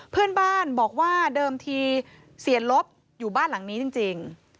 เพื่อนบ้านบอกว่าเดิมทีเสียลบอยู่บ้านหลังนี้จริง